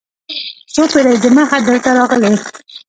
څو پېړۍ دمخه دلته راغلي.